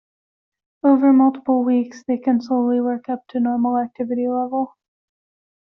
Over multiple weeks, they can slowly work up to normal activity level.